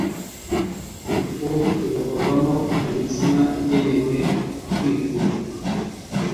ifu yabwo igakorwamo imitsima igenewe kwikuzwa.